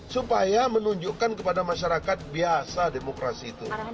supaya menunjukkan kepada masyarakat biasa demokrasi itu